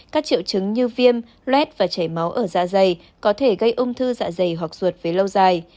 các triệu chứng như viêm loét và chảy máu ở dạ dày có thể gây ung thư dạ dày hoặc ruột với lâu dài